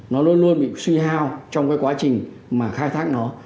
nó luôn luôn bị suy hao trong cái quá trình mà khai thác nó